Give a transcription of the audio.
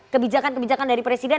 kebijakan kebijakan dari presiden